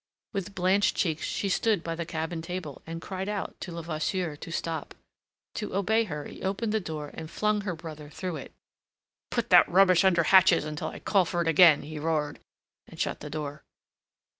With blanched cheeks she stood by the cabin table, and cried out to Levasseur to stop. To obey her, he opened the door, and flung her brother through it. "Put that rubbish under hatches until I call for it again," he roared, and shut the door.